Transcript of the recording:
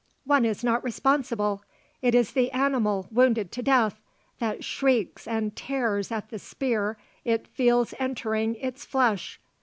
One is not responsible. It is the animal, wounded to death, that shrieks and tears at the spear it feels entering its flesh."